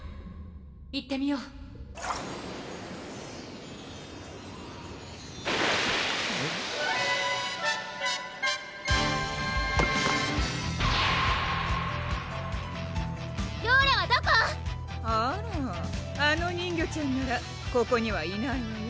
行ってみよう・・ローラはどこ⁉あらあの人魚ちゃんならここにはいないわよ